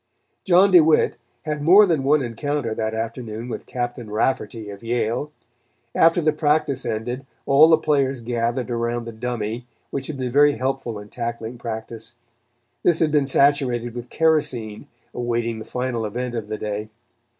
John DeWitt had more than one encounter that afternoon with Captain Rafferty of Yale. After the practice ended all the players gathered around the dummy, which had been very helpful in tackling practice. This had been saturated with kerosene awaiting the final event of the day.